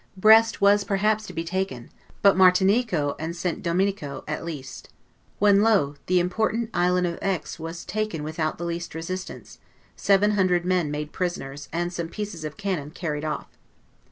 Brest was perhaps to be taken; but Martinico and St. Domingo, at least. When lo! the important island of Aix was taken without the least resistance, seven hundred men made prisoners, and some pieces of cannon carried off.